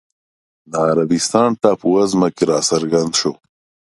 د عربستان ټاپووزمه کې راڅرګند شو